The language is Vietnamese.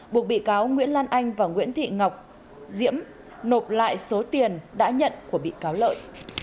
buộc bị cáo nguyễn lan anh và nguyễn thị ngọc diễm nộp lại số tiền đã nhận của bị cáo lợi